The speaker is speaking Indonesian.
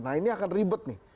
nah ini akan ribet nih